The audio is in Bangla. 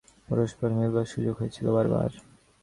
পরস্পর মেলবার সুযোগ হয়েছিল বার বার।